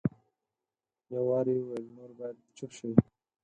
یو وار یې وویل نور باید چپ شئ.